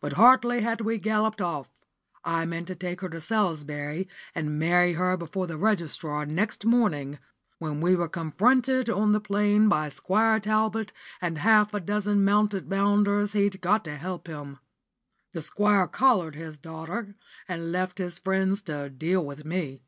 But hardly had we galloped off I meant to take her to Salisbury, and marry her before the registrar next morning when we were confronted on the Plain by Squire Talbot and half a dozen mounted bounders he'd got to help him. The Squire collared his daughter, and left his friends to deal with me.